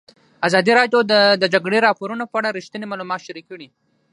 ازادي راډیو د د جګړې راپورونه په اړه رښتیني معلومات شریک کړي.